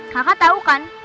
kakak tau kan